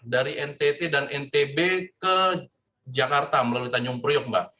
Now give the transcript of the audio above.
dari ntt dan ntb ke jakarta melalui tanjung priok mbak